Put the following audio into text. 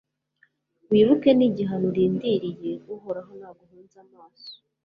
wibuke n'igihano urindiriye, uhoraho naguhunza amaso